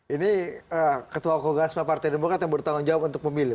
ini ketua kogasma partai demokrat yang bertanggung jawab untuk memilih